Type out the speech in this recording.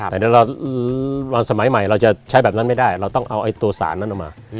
แต่ตอนสมัยใหม่เราจะใช้แบบนั้นไม่ได้เราต้องเอาตัวสารนั้นออกมา